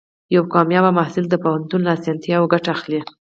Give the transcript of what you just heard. یو کامیاب محصل د پوهنتون له اسانتیاوو ګټه اخلي.